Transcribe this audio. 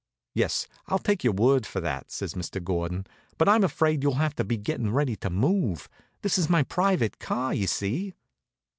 "Yes, I'll take your word for that," says Mr. Gordon; "but I'm afraid you'll have to be getting ready to move. This is my private car, you see."